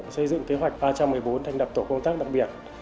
xây dựng kế hoạch ba trăm một mươi bốn thành đập tổ công tác đặc biệt